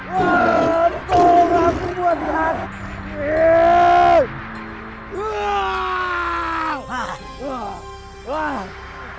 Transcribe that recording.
waaaah tolong aku buatlah